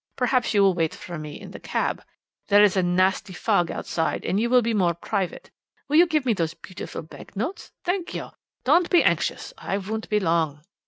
Perhaps you will wait for me in the cab. There is a nasty fog outside, and you will be more private. Will you give me those beautiful bank notes? Thank you! Don't be anxious. I won't be long.'